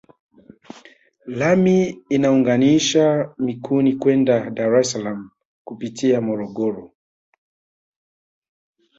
Lami inaunganisha Mikumi kwenda Dar es Salaam kupitia Morogoro